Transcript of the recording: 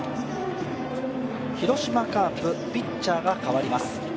広島カープ、ピッチャーが代わります。